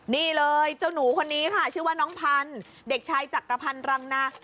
นี่เลยเจ้าหนูคนนี้ค่ะชื่อว่าน้องพันธุ์เด็กชายจักรพันธ์รังนา